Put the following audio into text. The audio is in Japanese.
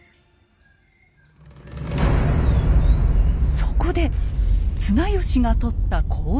そこで綱吉がとった行動は。